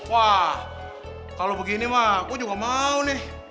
wah kalo begini mak gue juga mau nih